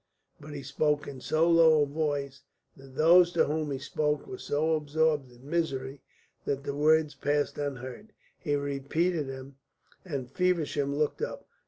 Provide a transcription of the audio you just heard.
But he spoke in so low a voice, and those to whom he spoke were so absorbed in misery, that the words passed unheard. He repeated them, and Feversham looked up.